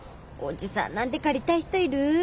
おじさんなんて借りたい人いる？